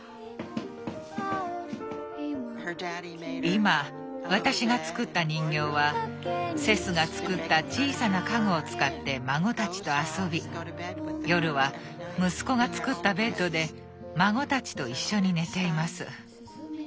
今私が作った人形はセスが作った小さな家具を使って孫たちと遊び夜は息子が作ったベッドで孫たちと一緒に寝ています。